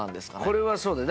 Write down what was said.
これはそうね。